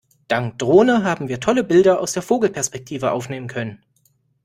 Dank Drohne haben wir tolle Bilder aus der Vogelperspektive aufnehmen können.